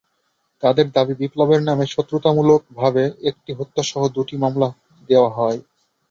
তাঁদের দাবি, বিপ্লবের নামে শত্রুতামূলকভাবে একটি হত্যাসহ দুটি মামলা দেওয়া হয়।